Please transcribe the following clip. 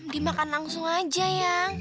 dimakan langsung aja eyang